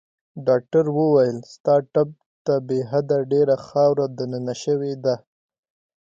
ډاکټر وویل: ستا ټپ ته بې حده ډېره خاوره دننه شوې ده.